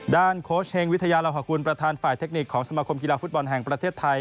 โค้ชเฮงวิทยาลาหกุลประธานฝ่ายเทคนิคของสมาคมกีฬาฟุตบอลแห่งประเทศไทย